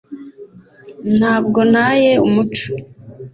ntabwo ntaye umuco